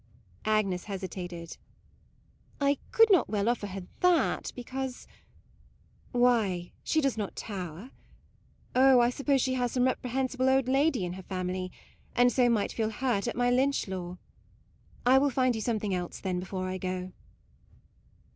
Agnes hesitated :" I could not well offer her that, because "" Why, she does not tower. Oh ! I suppose she has some reprehensible old lady in her family, and so might feel hurt at my Lynch law. I will find you something else then, before I go."